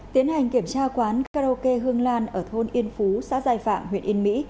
tiến hành kiểm tra quán karaoke hương lan ở thôn yên phú xã giai phạm huyện yên mỹ